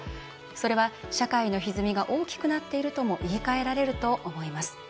それは、社会のひずみが大きくなっているとも言いかえられると思います。